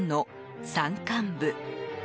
山間部。